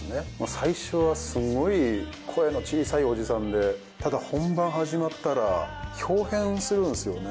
最初はすごい声の小さいおじさんでただ本番始まったら豹変するんですよね。